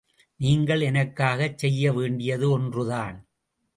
நீங்கள் எனக்காகச் செய்ய வேண்டியது ஒன்றுதான்.